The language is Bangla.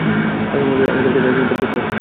আগামীকালই আমাদের তাকে উদ্ধার করতে হবে।